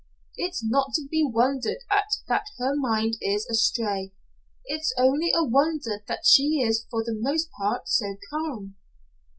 It's not to be wondered at that her mind is astray. It's only a wonder that she is for the most part so calm."